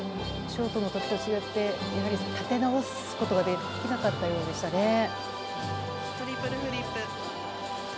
ショートの時と違って立て直すことができなかったようでしたね。